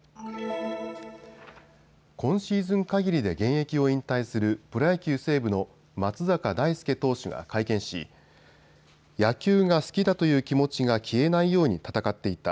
今シーズンかぎりで現役を引退するプロ野球、西武の松坂大輔投手が会見し野球が好きだという気持ちが消えないように戦っていた。